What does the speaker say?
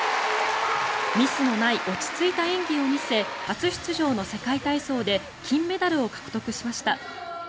ミスのない落ち着いた演技を見せ初出場の世界体操で金メダルを獲得しました。